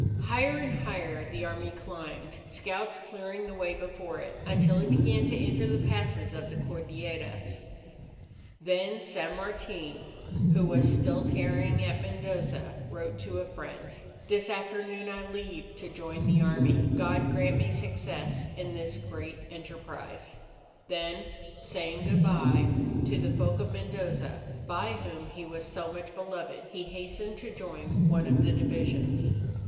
Higher and higher the Army climbed, scouts clearing the way before it, until it began to enter the passes of the Cordilleras. Then San Martin, who was still tarrying at Mendoza, wrote to a friend: "This afternoon I leave to join the Army. God grant me success in this great enterprise!" Then saying good bye to the folk of Mendoza, by whom he was so much beloved, he hastened to join one of the divisions.